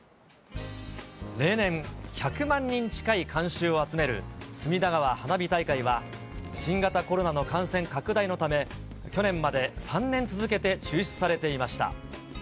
例年、１００万人近い観衆を集める、隅田川花火大会は、新型コロナの感染拡大のため、去年まで３年続けて中止されていました。